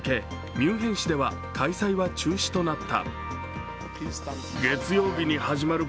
ミュンヘン市では開催は中止となった。